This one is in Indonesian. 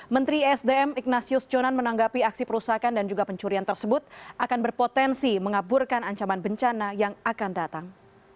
menteri sdm ignatius jonan menanggapi aksi perusakan dan juga pencurian tersebut akan berpotensi mengaburkan ancaman bencana yang akan datang